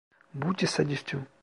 Bu tesadüftü…